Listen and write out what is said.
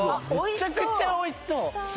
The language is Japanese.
めちゃくちゃ美味しそう！